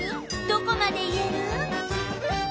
どこまで言える？